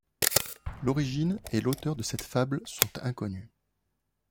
L'origine et l'auteur de cette fable sont inconnus.